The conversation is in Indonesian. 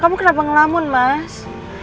kamu kenapa ngelamun mas